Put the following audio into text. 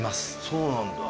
そうなんだ。